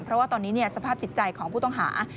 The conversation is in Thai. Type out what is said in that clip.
เพราะว่าตอนนี้สภาพจิตใจของผู้ต้องหา